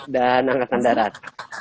dan angkatan darat